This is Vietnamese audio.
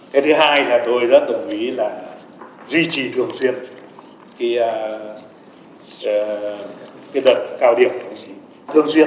cái thứ hai là tôi rất đồng ý là duy trì thường xuyên cái đợt cao điểm thường xuyên